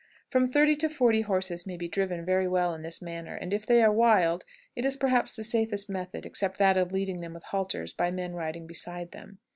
From thirty to forty horses may be driven very well in this manner, and, if they are wild, it is perhaps the safest method, except that of leading them with halters held by men riding beside them.